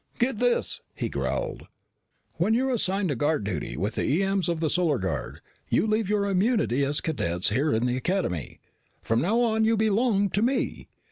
"Get this!" he growled. "When you're assigned to guard duty with the E.M.'s of the Solar Guard, you leave your immunity as cadets here in the Academy. From now on, you belong to me.